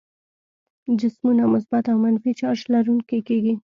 جسمونه مثبت او منفي چارج لرونکي کیږي.